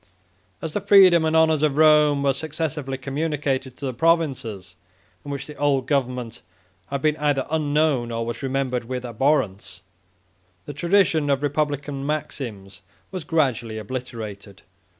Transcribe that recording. As the freedom and honors of Rome were successively communicated to the provinces, in which the old government had been either unknown, or was remembered with abhorrence, the tradition of republican maxims was gradually obliterated.